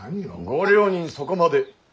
ご両人そこまで。